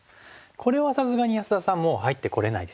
これはさすがに安田さんもう入ってこれないですよね？